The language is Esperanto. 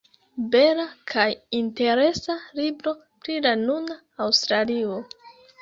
Bela kaj interesa libro pri la nuna Aŭstralio.